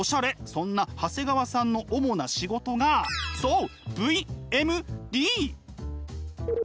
そんな長谷川さんの主な仕事がそう！